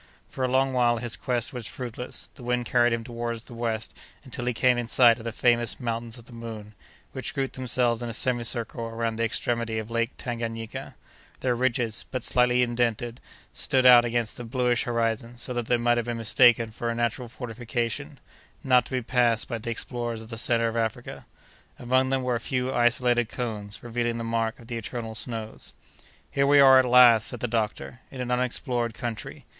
For a long while his quest was fruitless; the wind carried him toward the west until he came in sight of the famous Mountains of the Moon, which grouped themselves in a semicircle around the extremity of Lake Tanganayika; their ridges, but slightly indented, stood out against the bluish horizon, so that they might have been mistaken for a natural fortification, not to be passed by the explorers of the centre of Africa. Among them were a few isolated cones, revealing the mark of the eternal snows. "Here we are at last," said the doctor, "in an unexplored country!